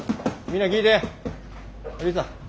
みんな聞いて。